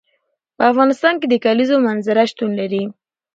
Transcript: په افغانستان کې د کلیزو منظره شتون لري.